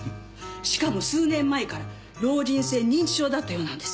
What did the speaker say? しかも数年前から老人性認知症だったようなんです。